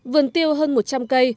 vườn tiêu hơn một trăm linh cây